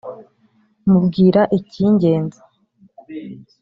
mubwira ikingenza